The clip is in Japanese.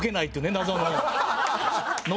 謎の。